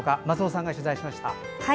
松尾さんが取材しました。